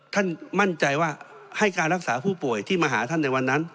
ท่านมั่นใจว่าให้การรักษาผู้ป่วยที่มาหาท่านในวันนั้น